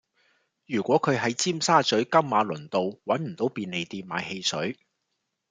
如果佢喺尖沙咀金馬倫道搵唔到便利店買汽水